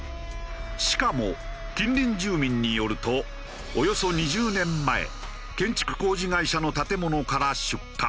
しかも近隣住民によるとおよそ２０年前建築工事会社の建物から出火。